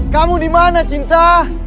kamu di mana cinta